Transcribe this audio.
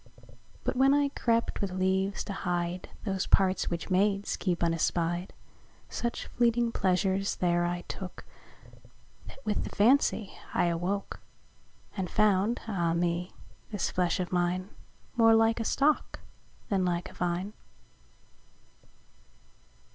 But when I crept with leaves to hide Those parts, which maids keep unespy'd, Such fleeting pleasures there I took, That with the fancie I awook; And found (Ah me!) this flesh of mine More like a Stock then like a Vine.